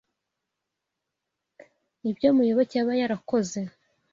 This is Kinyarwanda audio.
Nibyo Muyoboke yaba yarakoze.